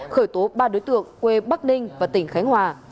khởi tố ba đối tượng quê bắc ninh và tỉnh khánh hòa